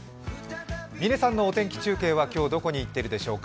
嶺さんのお天気中継は、今日どこへ行っているでしょうか？